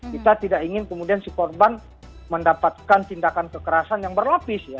kita tidak ingin kemudian si korban mendapatkan tindakan kekerasan yang berlapis ya